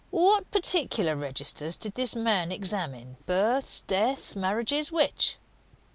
What particular registers did this man examine? Births, deaths, marriages which?"